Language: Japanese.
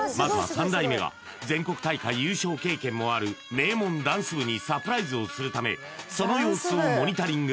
全国大会優勝経験もある名門ダンス部にサプライズをするため、その様子をモニタリング。